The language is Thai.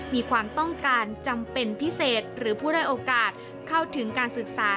มีความต้องการจำเป็นพิเศษหรือผู้ได้โอกาสเข้าถึงการศึกษา